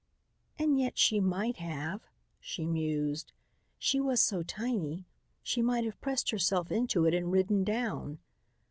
"And yet she might have," she mused. "She was so tiny. She might have pressed herself into it and ridden down."